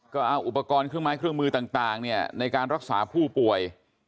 ก็เอาอุปกรณ์เครื่องไม้เครื่องมือต่างในการรักษาผู้ป่วย